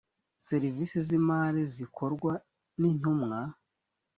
serivisi z’imari zikorwa n’intumwa